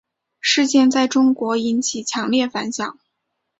事件在中国引起强烈反响。